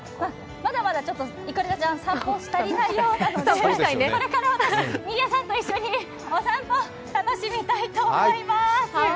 これからもまだまだちょっといくらちゃん、散歩し足りないようですので、これから新谷さんと一緒にお散歩、楽しみたいと思います。